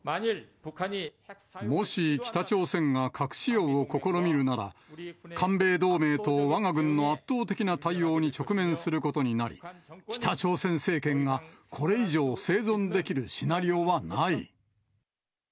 もし北朝鮮が核使用を試みるなら、韓米同盟とわが軍の圧倒的な対応に直面することになり、北朝鮮政権が、これ以上生存できるシナリオはない。